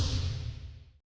silahkan pak digunakan pak